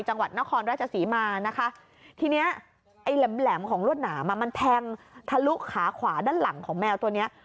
จังหวัดนครราชศรีมานะคะทีเนี้ยไอ้แหลมแหลมของรวดหนามอ่ะมันแทงทะลุขาขวาด้านหลังของแมวตัวเนี้ย